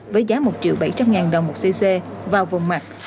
với giá một triệu bảy trăm linh ngàn đồng một cc vào vùng mặt